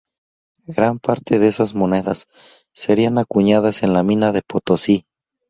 Gran parte de esas monedas serían acuñadas en la mina de Potosí.